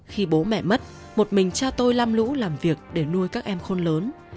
khi bố mẹ mất một mình cha tôi lam lũ làm việc để nuôi các em khôn lớn